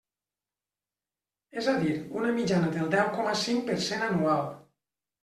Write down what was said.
És a dir, una mitjana del deu com cinc per cent anual.